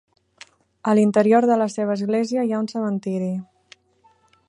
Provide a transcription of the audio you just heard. A l'interior de la seva Església hi ha un cementiri.